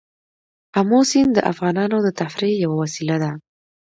آمو سیند د افغانانو د تفریح یوه وسیله ده.